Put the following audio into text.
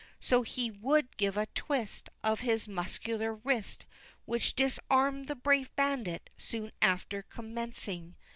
So he would give a twist Of his muscular wrist, Which disarmed the brave Bandit soon after commencing.